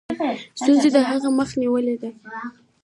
ستونزو د هغه مخه نیولې ده.